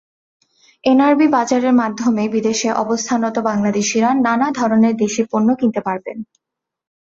NRB বাজারের মাধ্যমে বিদেশে অবস্থানরত বাংলাদেশিরা নানা ধরনের দেশি পণ্য কিনতে পারবেন।